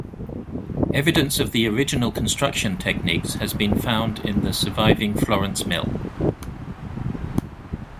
Evidence of the original construction techniques has been found in the surviving Florence Mill.